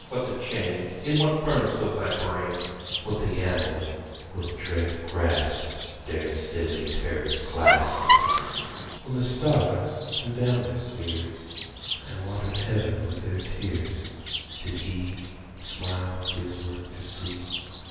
what the chain? In what furnace was thy brain? What the anvil? what dread grasp Dare its deadly terrors clasp? When the stars threw down their spears, And watered heaven with their tears, Did he smile his work to see?